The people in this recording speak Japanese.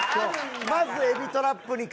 まずエビトラップに。